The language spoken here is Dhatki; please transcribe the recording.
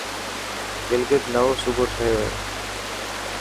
گلگل نوو صوبو ٺهيو هي.